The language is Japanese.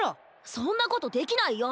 そんなことできないよ！